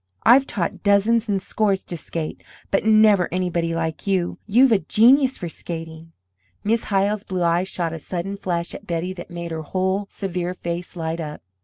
"I've taught dozens and scores to skate, but never anybody like you. You've a genius for skating." Miss Hyle's blue eyes shot a sudden flash at Betty that made her whole severe face light up.